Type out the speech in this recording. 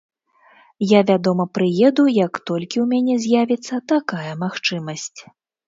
Я, вядома, прыеду, як толькі ў мяне з'явіцца такая магчымасць.